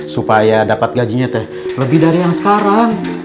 supaya dapat gajinya lebih dari yang sekarang